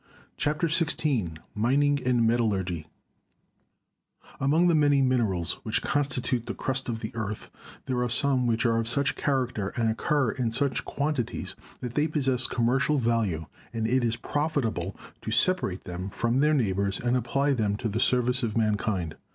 CHAPTER XVI MINING AND METALLURGY Among the many minerals which constitute the crust of the earth there are some which are of such character and occur in such quantities that they possess commercial value, and it is profitable to separate them from their neighbors and apply them to the service of mankind.